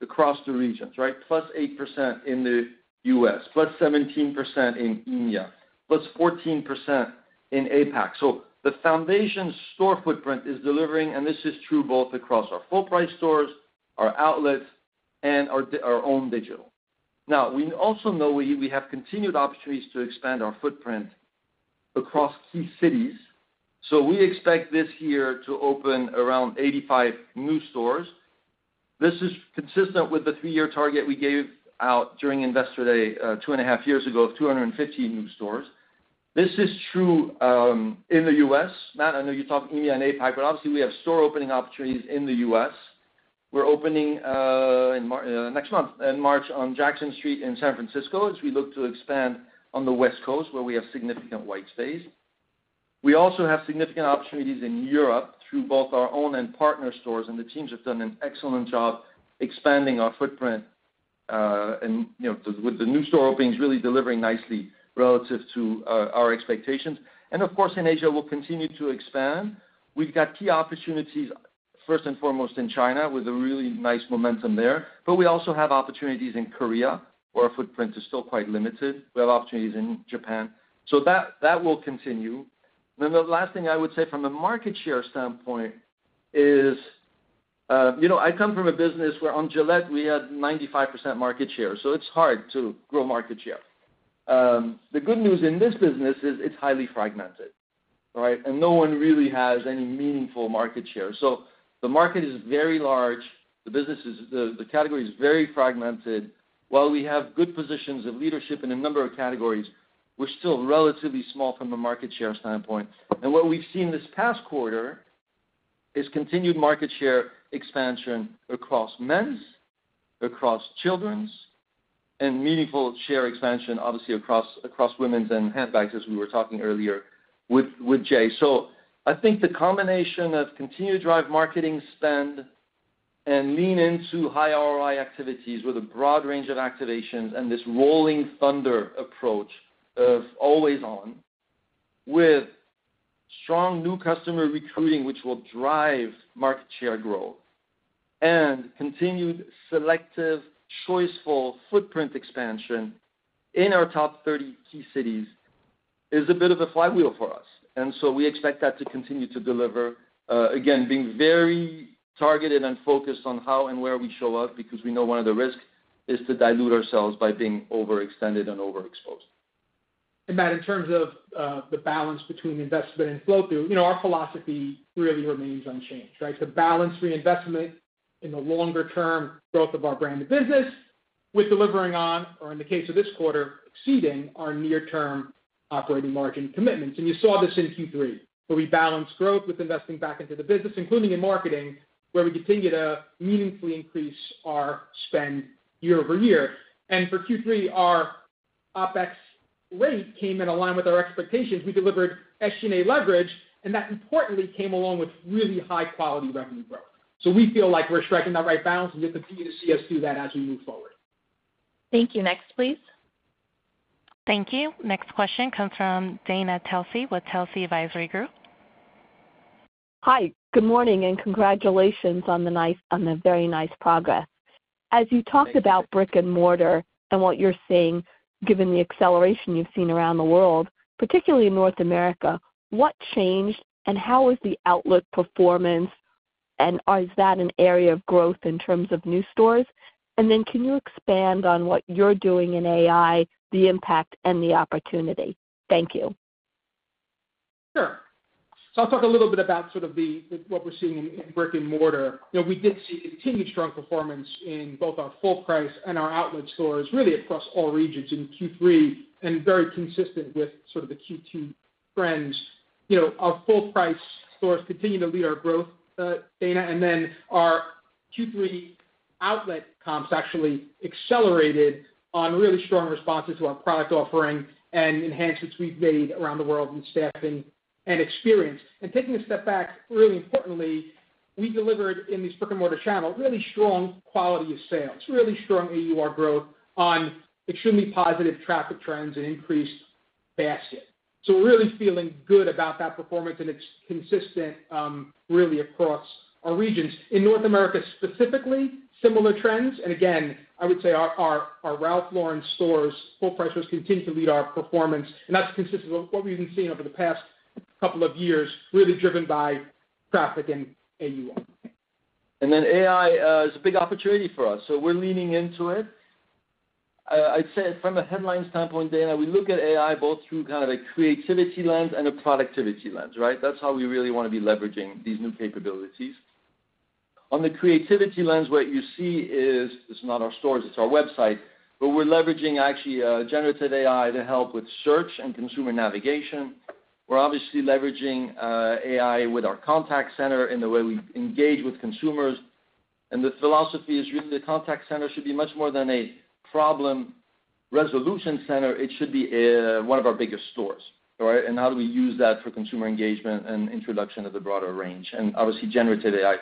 across the regions, plus 8% in the U.S., +17% in India, +14% in APAC. So the foundation store footprint is delivering, and this is true both across our full-price stores, our outlets, and our own digital. Now, we also know we have continued opportunities to expand our footprint across key cities. So we expect this year to open around 85 new stores. This is consistent with the three-year target we gave out during investor day two and a half years ago of 250 new stores. This is true in the U.S. Matt, I know you're talking India and APAC, but obviously, we have store opening opportunities in the U.S. We're opening next month in March on Jackson Street in San Francisco as we look to expand on the West Coast where we have significant white space. We also have significant opportunities in Europe through both our own and partner stores, and the teams have done an excellent job expanding our footprint, and with the new store openings, really delivering nicely relative to our expectations, and of course, in Asia, we'll continue to expand. We've got key opportunities, first and foremost, in China with a really nice momentum there, but we also have opportunities in Korea where our footprint is still quite limited. We have opportunities in Japan, so that will continue, and then the last thing I would say from a market share standpoint is I come from a business where on Gillette, we had 95% market share, so it's hard to grow market share. The good news in this business is it's highly fragmented. And no one really has any meaningful market share. So the market is very large. The category is very fragmented. While we have good positions of leadership in a number of categories, we're still relatively small from a market share standpoint. And what we've seen this past quarter is continued market share expansion across men's, across children's, and meaningful share expansion, obviously, across women's and handbags, as we were talking earlier with Jay. So I think the combination of continued drive marketing spend and lean into high ROI activities with a broad range of activations and this rolling thunder approach of always on with strong new customer recruiting, which will drive market share growth and continued selective, choiceful footprint expansion in our top 30 key cities is a bit of a flywheel for us. And so we expect that to continue to deliver, again, being very targeted and focused on how and where we show up because we know one of the risks is to dilute ourselves by being overextended and overexposed. And Matt, in terms of the balance between investment and flow-through, our philosophy really remains unchanged. It's a balanced reinvestment in the longer-term growth of our brand and business with delivering on, or in the case of this quarter, exceeding our near-term operating margin commitments. And you saw this in Q3, where we balanced growth with investing back into the business, including in marketing, where we continue to meaningfully increase our spend year over year. And for Q3, our OpEx rate came in aligned with our expectations. We delivered SG&A leverage, and that importantly came along with really high-quality revenue growth. So we feel like we're striking that right balance, and you'll continue to see us do that as we move forward. Thank you. Next, please. Thank you. Next question comes from Dana Telsey with Telsey Advisory Group. Hi. Good morning and congratulations on the very nice progress. As you talked about brick-and-mortar and what you're seeing, given the acceleration you've seen around the world, particularly in North America, what changed and how is the outlook performance? And is that an area of growth in terms of new stores? And then can you expand on what you're doing in AI, the impact, and the opportunity? Thank you. Sure. So I'll talk a little bit about sort of what we're seeing in brick-and-mortar. We did see continued strong performance in both our full-price and our outlet stores, really across all regions in Q3 and very consistent with sort of the Q2 trends. Our full-price stores continue to lead our growth, Dana. And then our Q3 outlet comps actually accelerated on really strong responses to our product offering and enhancements we've made around the world in staffing and experience. And taking a step back, really importantly, we delivered in these brick-and-mortar channels, really strong quality of sales, really strong AUR growth on extremely positive traffic trends and increased basket. So we're really feeling good about that performance, and it's consistent really across our regions. In North America specifically, similar trends. And again, I would say our Ralph Lauren stores full-price stores continue to lead our performance. That's consistent with what we've been seeing over the past couple of years, really driven by traffic and AUR. And then AI is a big opportunity for us. So we're leaning into it. I'd say from a headline standpoint, Dana, we look at AI both through kind of a creativity lens and a productivity lens. That's how we really want to be leveraging these new capabilities. On the creativity lens, what you see is it's not our stores. It's our website. But we're leveraging actually generative AI to help with search and consumer navigation. We're obviously leveraging AI with our contact center in the way we engage with consumers. And the philosophy is really the contact center should be much more than a problem resolution center. It should be one of our biggest stores. And how do we use that for consumer engagement and introduction of the broader range? And obviously, generative AI is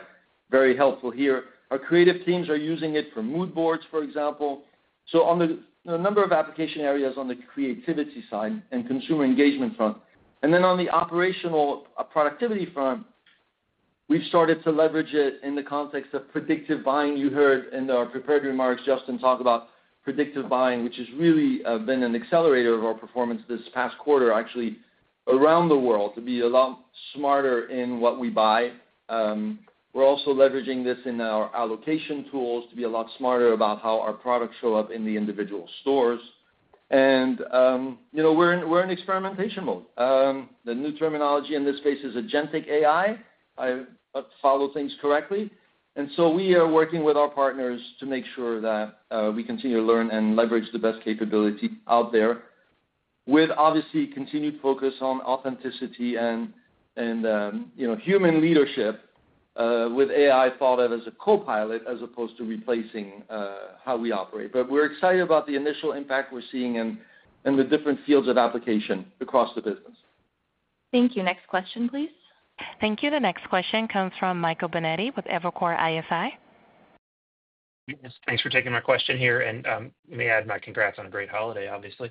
very helpful here. Our creative teams are using it for mood boards, for example. So on the number of application areas on the creativity side and consumer engagement front. And then on the operational productivity front, we've started to leverage it in the context of predictive buying. You heard in our prepared remarks, Justin, talk about predictive buying, which has really been an accelerator of our performance this past quarter, actually around the world, to be a lot smarter in what we buy. We're also leveraging this in our allocation tools to be a lot smarter about how our products show up in the individual stores. And we're in experimentation mode. The new terminology in this space is agentic AI, if I follow things correctly. And so we are working with our partners to make sure that we continue to learn and leverage the best capability out there, with obviously continued focus on authenticity and human leadership, with AI thought of as a co-pilot as opposed to replacing how we operate. But we're excited about the initial impact we're seeing in the different fields of application across the business. Thank you. Next question, please. Thank you. The next question comes from Michael Binetti with Evercore ISI. Yes. Thanks for taking my question here. And may I add my congrats on a great holiday, obviously?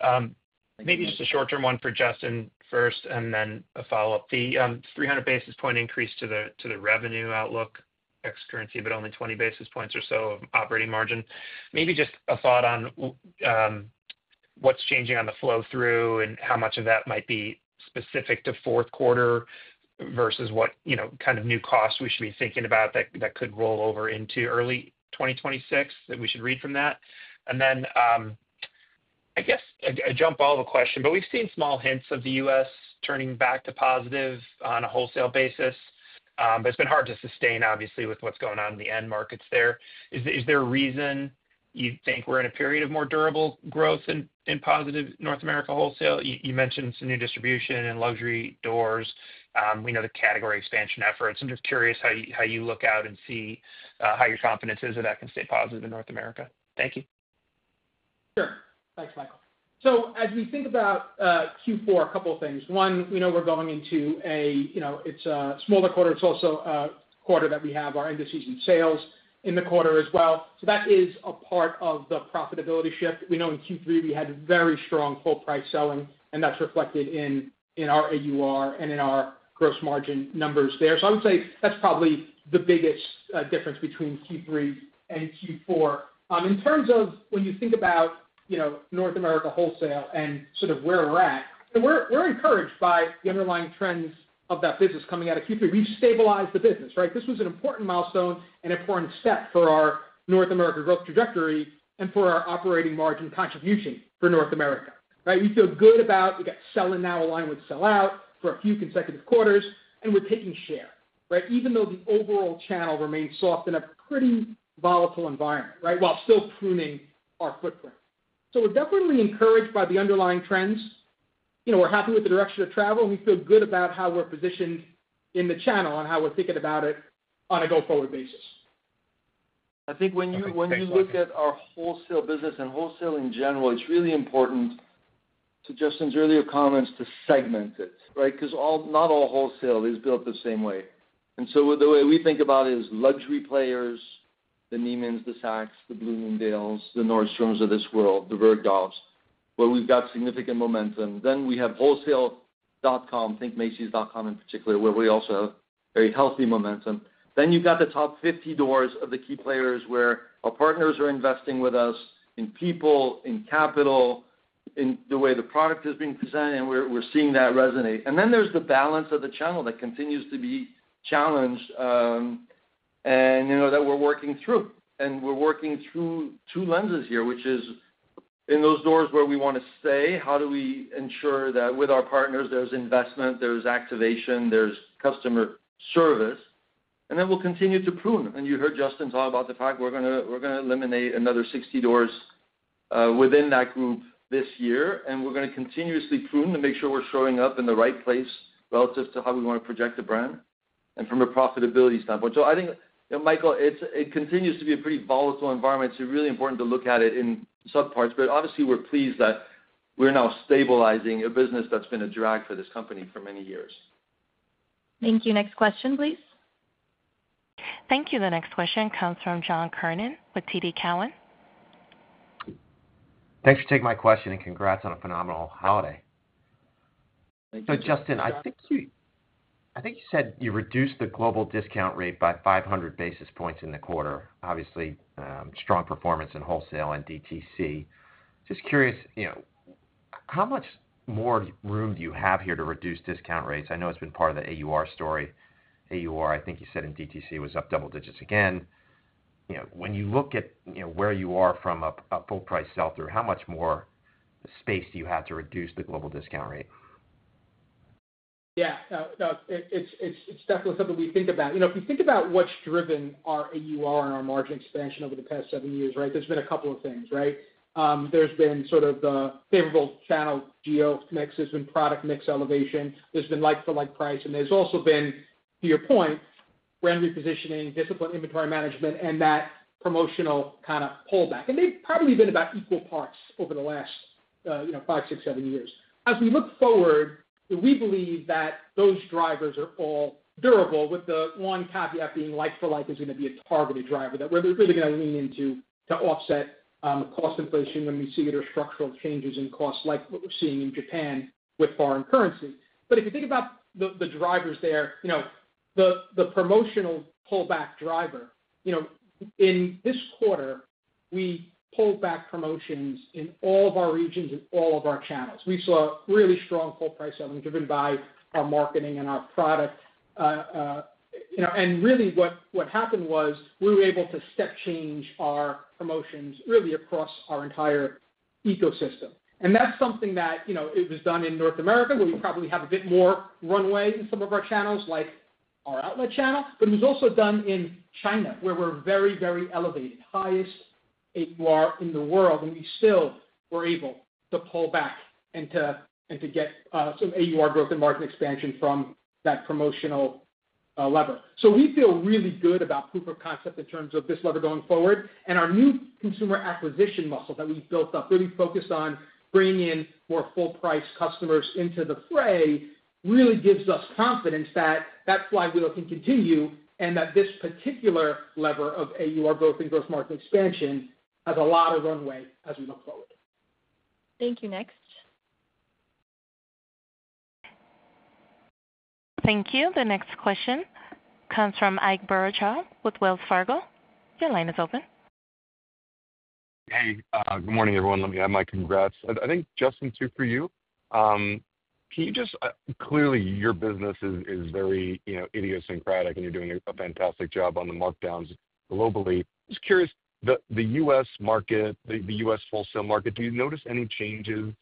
Thank you. Maybe just a short-term one for Justin first and then a follow-up. The 300 basis points increase to the revenue outlook, ex-currency, but only 20 basis points or so of operating margin. Maybe just a thought on what's changing on the flow-through and how much of that might be specific to fourth quarter versus what kind of new costs we should be thinking about that could roll over into early 2026 that we should read from that. And then I guess I jumped all the question, but we've seen small hints of the U.S. turning back to positive on a wholesale basis. But it's been hard to sustain, obviously, with what's going on in the end markets there. Is there a reason you think we're in a period of more durable growth in positive North America wholesale? You mentioned some new distribution and luxury doors. We know the category expansion efforts. I'm just curious how you look out and see how your confidence is that that can stay positive in North America. Thank you. Sure. Thanks, Michael. So as we think about Q4, a couple of things. One, we know we're going into a it's a smaller quarter. It's also a quarter that we have our end-of-season sales in the quarter as well. So that is a part of the profitability shift. We know in Q3, we had very strong full-price selling, and that's reflected in our AUR and in our gross margin numbers there. So I would say that's probably the biggest difference between Q3 and Q4. In terms of when you think about North America wholesale and sort of where we're at, we're encouraged by the underlying trends of that business coming out of Q3. We've stabilized the business. This was an important milestone and important step for our North America growth trajectory and for our operating margin contribution for North America. We feel good about we got sell-in now aligned with sell-out for a few consecutive quarters, and we're taking share, even though the overall channel remains soft in a pretty volatile environment while still pruning our footprint, so we're definitely encouraged by the underlying trends. We're happy with the direction of travel, and we feel good about how we're positioned in the channel and how we're thinking about it on a go-forward basis. I think when you look at our wholesale business and wholesale in general, it's really important, to Justin's earlier comments, to segment it because not all wholesale is built the same way, and so the way we think about it is luxury players, the Neimans, the Saks, the Bloomingdale's, the Nordstroms of this world, the Bergdorfs, where we've got significant momentum. Then we have wholesale.com, think Macy's.com in particular, where we also have very healthy momentum. Then you've got the top 50 doors of the key players where our partners are investing with us in people, in capital, in the way the product is being presented, and we're seeing that resonate. And then there's the balance of the channel that continues to be challenged and that we're working through. And we're working through two lenses here, which is in those doors where we want to stay, how do we ensure that with our partners, there's investment, there's activation, there's customer service, and then we'll continue to prune. And you heard Justin talk about the fact we're going to eliminate another 60 doors within that group this year. And we're going to continuously prune to make sure we're showing up in the right place relative to how we want to project the brand and from a profitability standpoint. So I think, Michael, it continues to be a pretty volatile environment. It's really important to look at it in subparts. But obviously, we're pleased that we're now stabilizing a business that's been a drag for this company for many years. Thank you. Next question, please. Thank you. The next question comes from John Kernan with TD Cowen. Thanks for taking my question and congrats on a phenomenal holiday. Thank you. So Justin, I think you said you reduced the global discount rate by 500 basis points in the quarter. Obviously, strong performance in wholesale and DTC. Just curious, how much more room do you have here to reduce discount rates? I know it's been part of the AUR story. AUR, I think you said in DTC was up double digits again. When you look at where you are from a full-price sell-through, how much more space do you have to reduce the global discount rate? Yeah. No, it's definitely something we think about. If you think about what's driven our AUR and our margin expansion over the past seven years, there's been a couple of things. There's been sort of the favorable channel geo mix. There's been product mix elevation. There's been like-for-like price. And there's also been, to your point, brand repositioning, discipline inventory management, and that promotional kind of pullback. And they've probably been about equal parts over the last five, six, seven years. As we look forward, we believe that those drivers are all durable, with the one caveat being like-for-like is going to be a targeted driver that we're really going to lean into to offset cost inflation when we see other structural changes in costs, like what we're seeing in Japan with foreign currency. But if you think about the drivers there, the promotional pullback driver, in this quarter, we pulled back promotions in all of our regions and all of our channels. We saw really strong full-price selling driven by our marketing and our product. And really, what happened was we were able to step change our promotions really across our entire ecosystem. And that's something that it was done in North America, where we probably have a bit more runway in some of our channels, like our outlet channel. But it was also done in China, where we're very, very elevated, highest AUR in the world. And we still were able to pull back and to get some AUR growth and margin expansion from that promotional lever. So we feel really good about proof of concept in terms of this lever going forward. And our new consumer acquisition muscle that we've built up, really focused on bringing in more full-price customers into the fray, really gives us confidence that that's why we can continue and that this particular lever of AUR growth and gross margin expansion has a lot of runway as we look forward. Thank you. Next. Thank you. The next question comes from Ike Boruchow with Wells Fargo. Your line is open. Hey. Good morning, everyone. Let me add my congrats. I think, Justin, too, for you. Clearly, your business is very idiosyncratic, and you're doing a fantastic job on the markdowns globally. Just curious, the U.S. market, the U.S. wholesale market, do you notice any changes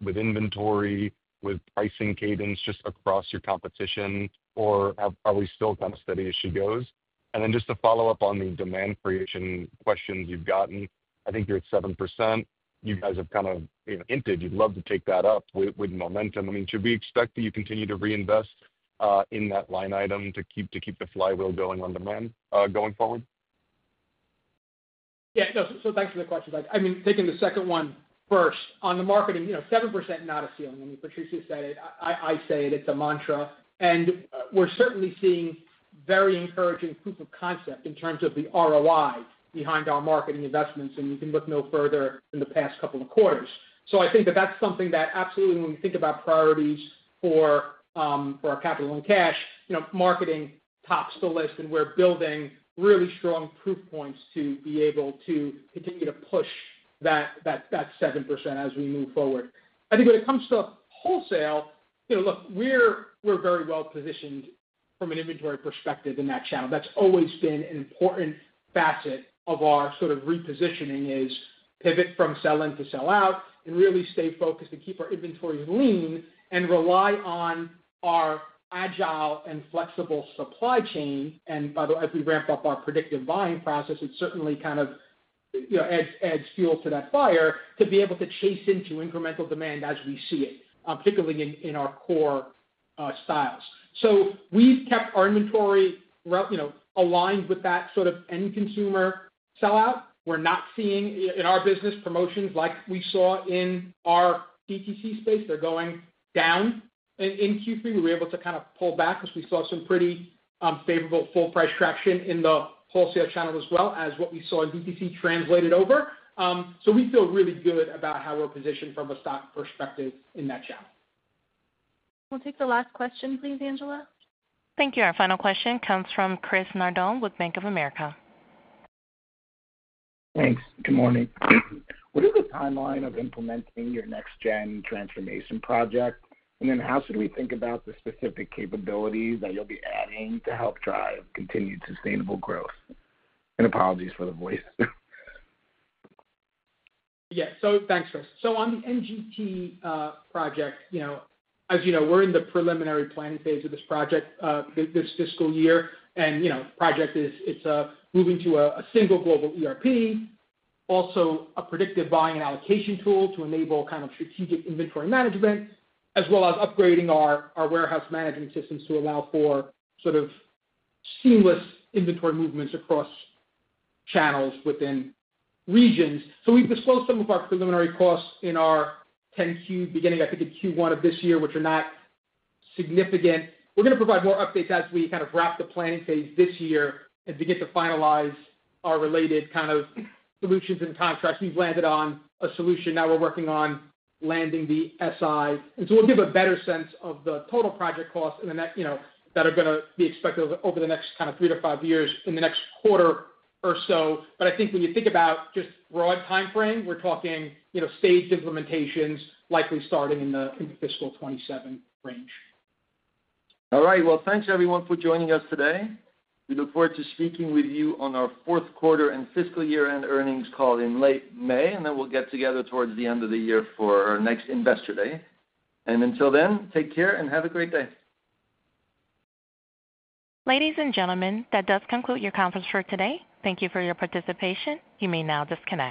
with inventory, with pricing cadence just across your competition, or are we still kind of steady as she goes? And then just to follow up on the demand creation questions you've gotten, I think you're at 7%. You guys have kind of hinted you'd love to take that up with momentum. I mean, should we expect that you continue to reinvest in that line item to keep the flywheel going on demand going forward? Yeah. No. So thanks for the question. I mean, taking the second one first, on the marketing, 7% not a ceiling. I mean, Patrice said it. I say it. It's a mantra. And we're certainly seeing very encouraging proof of concept in terms of the ROI behind our marketing investments. And you can look no further than the past couple of quarters. So I think that that's something that absolutely, when we think about priorities for our capital and cash, marketing tops the list. And we're building really strong proof points to be able to continue to push that 7% as we move forward. I think when it comes to wholesale, look, we're very well positioned from an inventory perspective in that channel. That's always been an important facet of our sort of repositioning, is pivot from sell-in to sell-out and really stay focused and keep our inventories lean and rely on our agile and flexible supply chain. And by the way, as we ramp up our predictive buying process, it certainly kind of adds fuel to that fire to be able to chase into incremental demand as we see it, particularly in our core styles. So we've kept our inventory aligned with that sort of end-consumer sell-out. We're not seeing in our business promotions like we saw in our DTC space. They're going down. In Q3, we were able to kind of pull back because we saw some pretty favorable full-price traction in the wholesale channel as well as what we saw in DTC translated over. So we feel really good about how we're positioned from a stock perspective in that channel. We'll take the last question, please, Angela. Thank you. Our final question comes from Chris Nardone with Bank of America. Thanks. Good morning. What is the timeline of implementing your Next-Gen Transformation project? Then how should we think about the specific capabilities that you'll be adding to help drive continued sustainable growth? And apologies for the voice. Yeah. So thanks, Chris. So on the NGT project, as you know, we're in the preliminary planning phase of this project this fiscal year. And the project is moving to a single global ERP, also a predictive buying and allocation tool to enable kind of strategic inventory management, as well as upgrading our warehouse management systems to allow for sort of seamless inventory movements across channels within regions. So we've disclosed some of our preliminary costs in our FForm 10-Q beginning, I think, in Q1 of this year, which are not significant. We're going to provide more updates as we kind of wrap the planning phase this year and begin to finalize our related kind of solutions and contracts. We've landed on a solution. Now we're working on landing the SI, and so we'll give a better sense of the total project costs that are going to be expected over the next kind of three to five years in the next quarter or so, but I think when you think about just broad timeframe, we're talking staged implementations likely starting in the fiscal 2027 range. All right. Well, thanks, everyone, for joining us today. We look forward to speaking with you on our fourth quarter and fiscal year-end earnings call in late May, and then we'll get together towards the end of the year for our next investor day, and until then, take care and have a great day. Ladies and gentlemen, that does conclude your conference for today. Thank you for your participation. You may now disconnect.